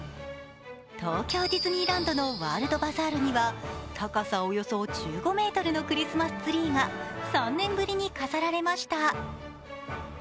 東京ディズニーランドのワールドバザールには高さおよそ１５ｍのクリスマスツリーが３年ぶりに飾られました。